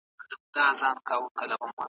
ملا وویل چې ما مه وېروه.